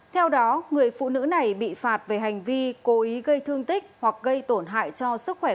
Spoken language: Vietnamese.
theo đó người phụ nữ này bị phạt về hành vi cố ý gây thương tích hoặc gây tổn hại cho sức khỏe